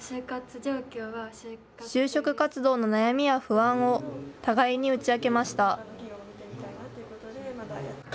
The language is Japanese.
就職活動の悩みや不安を互いに打ち明けました。